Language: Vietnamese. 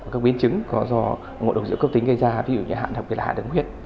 các biến chứng có do ngộ độc rượu cấp tính gây ra ví dụ như hạn thật là hạ đứng huyết